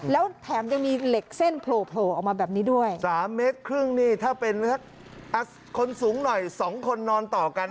แล้วแถมยังมีเหล็กเส้นโผล่ออกมาแบบนี้ด้วยสามเมตรครึ่งนี่ถ้าเป็นคนสูงหน่อยสองคนนอนต่อกัน